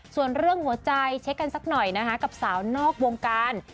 ส่วนเรื่องหัวใจเช็คกันสักหน่อยนะคะกับสาวนอกวงการ